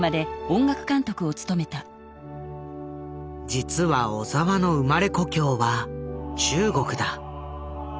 実は小澤の生まれ故郷は中国だ。